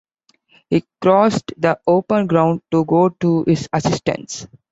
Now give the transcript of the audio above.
He crossed the open ground to go to his assistance.